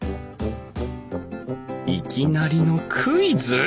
いきなりのクイズ！？